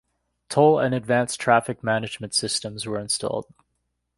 Toll and advanced traffic management systems were installed.